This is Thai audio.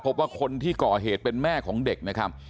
พบว่าคนที่ก่อเหตุเป็นแม่ของเด็กนะครับ